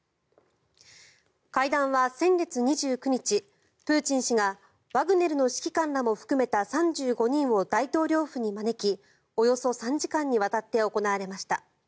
会談は先月２９日プーチン氏がワグネルの指揮官らも含めた３５人を大統領府に招きおよそ３時間にわたって行われました。